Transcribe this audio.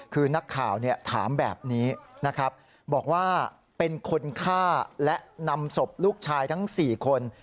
คือนักข่าวถามแบบนี้นะครับบอกว่าเป็นคนฆ่าและนำศพลูกชายทั้ง๔คน